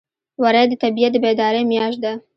وری د طبیعت د بیدارۍ میاشت ده.